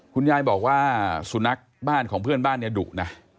คุณยายบอกว่าสุนัขบ้านของเพื่อนบ้านเนี่ยดุนะ